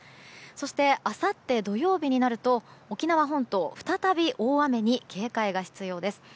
そして、あさって土曜日になると沖縄本島は再び大雨に警戒が必要です。